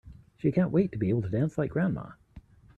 She can't wait to be able to dance like grandma!